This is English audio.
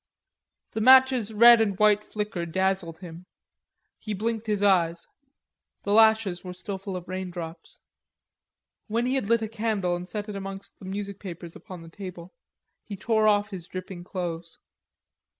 The match's red and white flicker dazzled him. He blinked his eyes; the lashes were still full of raindrops. When he had lit a candle and set it amongst the music papers upon the table, he tore off his dripping clothes.